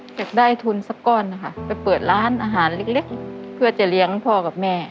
อยากได้ทุนสักก้อนนะคะไปเปิดร้านอาหารเล็กเพื่อจะเลี้ยงพ่อกับแม่